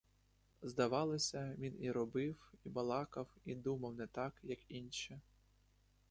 Здавалося, він і робив, і балакав, і думав не так, як інші.